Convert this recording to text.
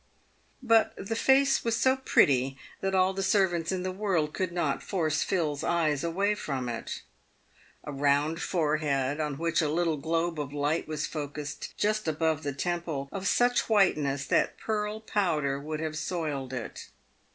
But the face was so pretty that all the servants in the world could not force PhiPs eyes away from it. A round forehead, on which a little globe of light was focussed just above the temple, of such whiteness PAVED WITH GOLD. 319 that pearl powder would have soiled it.